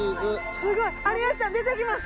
すごい！有吉さん出てきました